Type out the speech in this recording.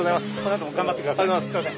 ありがとうございます。